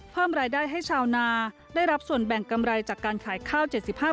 เพิ่มรายได้ให้ชาวนาได้รับส่วนแบ่งกำไรจากการขายข้าว๗๕บาท